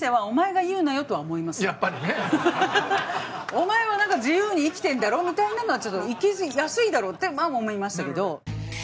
お前は自由に生きてんだろみたいなのはちょっと生きやすいだろって思いましたけど。